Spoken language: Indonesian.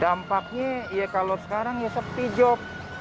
dampaknya ya kalau sekarang ya sepi job